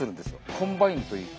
コンバインといいます。